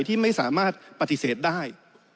ที่ไม่สามารถปฏิเสธได้